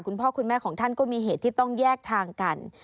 คุณพ่อคุณแม่ของท่านก็มีเหตุที่ต้องแยกทางกัน